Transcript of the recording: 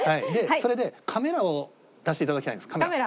それでカメラを出していただきたいんですカメラ。